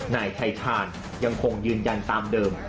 นายชายชาญยังคงยืนยันตามเดิม